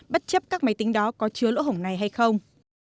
bất chấp các máy tính đó có chứa lỗ hổng này hay không